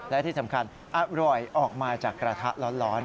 และที่สำคัญอร่อยออกมาจากกระทะร้อน